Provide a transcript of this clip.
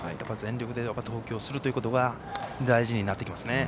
全力で投球することが大事になってきます。